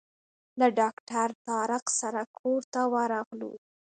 له ډاکټر طارق سره کور ته ورغلو.